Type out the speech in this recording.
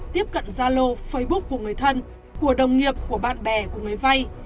tiếp cận gia lô facebook của người thân của đồng nghiệp của bạn bè của người vay